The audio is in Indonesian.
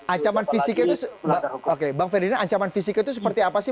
ancaman fisiknya itu oke bang ferdinand ancaman fisik itu seperti apa sih